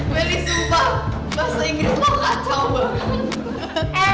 meli sumpah bahasa inggris kau kacau banget